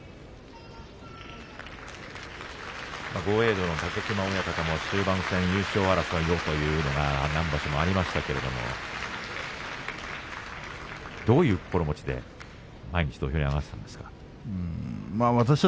豪栄道の武隈親方も終盤戦に優勝争いをというのが何場所もありましたがどういう心持ちで毎日土俵に上がりましたか。